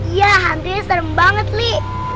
iya hantunya serem banget li